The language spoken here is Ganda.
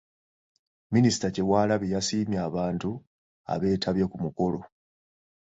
Minisita Kyewalabye yasiimye abantu abeetabye ku mukolo